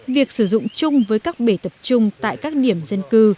việc sử dụng chung với các bể tập trung tại các điểm dân cư